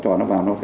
cho nó vào